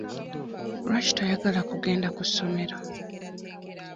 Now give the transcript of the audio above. Lwaki toyagala kugenda ku ssomero?